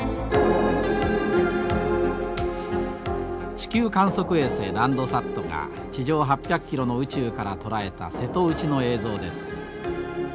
地球観測衛星ランドサットが地上８００キロの宇宙から捉えた瀬戸内の映像です。